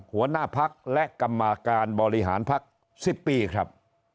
หัวหน้าพักและกรรมการบริหารพัก๑๐ปีครับ